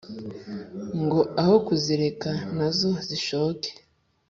Ngo aho kuzireka nazo zishoke